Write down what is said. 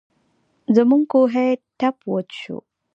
زموږ کوهۍ ټپ وچ شو.